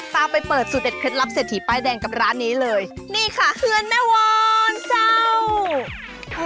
ไปเปิดสูตรเด็ดเคล็ดลับเศรษฐีป้ายแดงกับร้านนี้เลยนี่ค่ะเฮือนแม่วรเจ้า